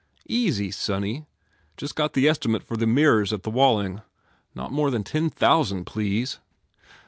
"Easy, sonny. Just got the estimate for the mirrors at the Walling. Not more than ten thousand, please!"